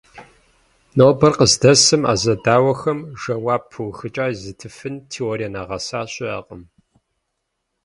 Нобэр къыздэсым а зэдауэхэм жэуап пыухыкӀа езытыфын теорие нэгъэса щыӀэкъым.